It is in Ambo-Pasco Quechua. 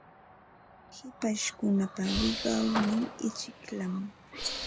Hipashkunapa wiqawnin ichikllam.